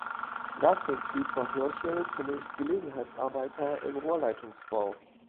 Nach dem Krieg war Höcherl zunächst Gelegenheitsarbeiter im Rohrleitungsbau.